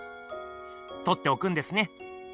とっておくんですね？